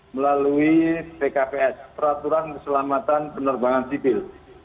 melalui pkps peraturan keselamatan penerbangan sibil